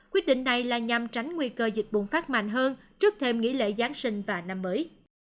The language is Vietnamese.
quyết định này là nhằm tránh nguy cơ dịch bùng phát mạnh hơn trước thêm nghỉ lễ giáng sinh và năm mới